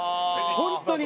本当に。